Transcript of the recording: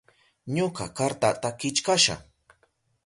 Ñuka kartata killkasha.